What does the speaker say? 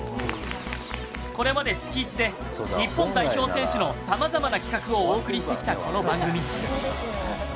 これまで月一で日本代表選手の様々な企画をお送りしてきたこの番組。